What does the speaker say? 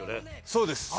そうです。